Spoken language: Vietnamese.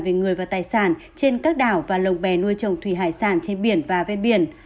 về người và tài sản trên các đảo và lồng bè nuôi trồng thủy hải sản trên biển và ven biển